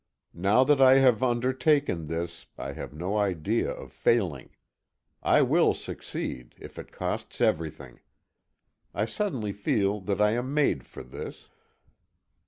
Now that I have undertaken this, I have no idea of failing. I will succeed, if it costs every thing. I suddenly feel that I am made for this.